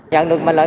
nhận được màn lợi